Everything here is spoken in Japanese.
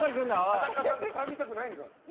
田中さんと絡みたくないんかな。